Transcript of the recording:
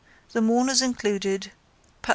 The mourners included: Patk.